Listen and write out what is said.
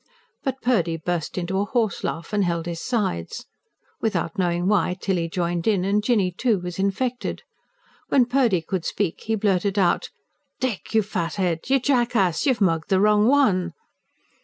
But Purdy burst into a horselaugh, and held his sides. Without knowing why, Tilly joined in, and Jinny, too, was infected. When Purdy could speak, he blurted out: "Dick, you fathead! you jackass! you've mugged the wrong one."